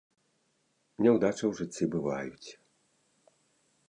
Няўдачы ў жыцці бываюць.